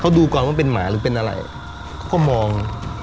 เขาดูก่อนว่าเป็นหมาหรือเป็นอะไรเขาก็มอง